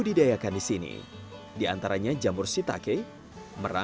selain iklim faktor terpenting dalam budidaya jamur adalah suhu